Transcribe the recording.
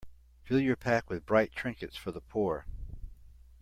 Fill your pack with bright trinkets for the poor.